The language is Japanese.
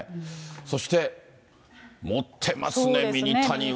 そして、持ってますね、ミニタニは。